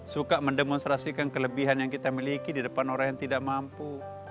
suka mendemonstrasikan kelebihan yang kita miliki di depan orang yang tidak mampu